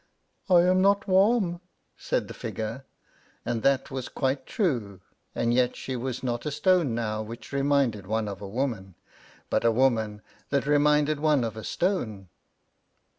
"I am not warm," said the figure; and that was quite true, and yet she was not a stone now which reminded one of a woman, but a woman that reminded one of a stone.